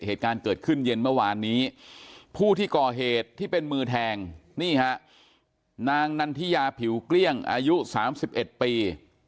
เหตุการณ์เกิดขึ้นเย็นเมื่อวานนี้ผู้ที่ก่อเหตุที่เป็นมือแทงนี่ฮะนางนันทิยาผิวเกลี้ยงอายุ๓๑ปี